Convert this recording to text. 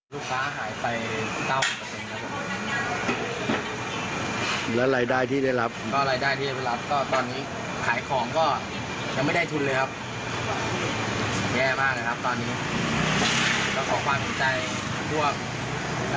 ลูกค้าหายไป๙๐แล้วรายได้ที่ได้รับก็รายได้ที่ได้รับก็ตอนนี้ขายของก็ยังไม่ได้ทุนเลยครับแย่มากเลยครับตอนนี้